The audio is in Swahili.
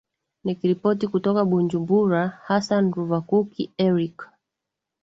nikiripoti kutoka bujumbura hasan ruvakuki eric